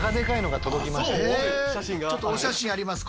最近ちょっとお写真あります。